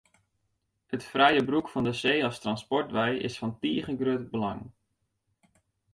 It frije gebrûk fan de see as transportwei is fan tige grut belang.